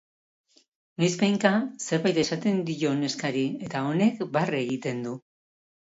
Noizbehinka zerbait esaten dio neskari eta honek barre egiten du.